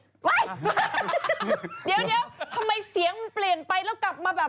เดี๋ยวทำไมเสียงมันเปลี่ยนไปแล้วกลับมาแบบ